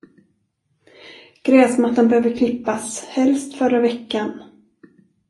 Gräsmattan behöver klippas, helst förra veckan.